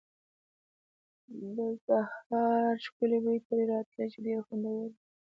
د سهار ښکلی بوی ترې راته، چې ډېر خوندور و.